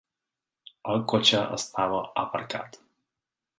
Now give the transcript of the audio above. El cotxe estava aparcat.